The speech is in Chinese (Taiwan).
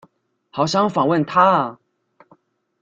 好想訪問他啊！